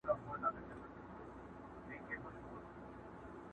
زموږ ادرس دي وي معلوم کنه ورکیږو.!